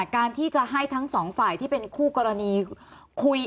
การที่จะให้ทั้งสองฝ่ายที่เป็นคู่กรณีคุย